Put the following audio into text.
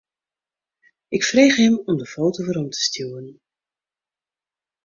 Ik frege him om de foto werom te stjoeren.